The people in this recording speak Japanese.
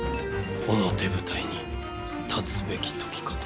表舞台に立つべき時かと。